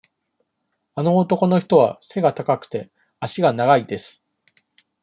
あの男の人は背が高くて、足が長いです。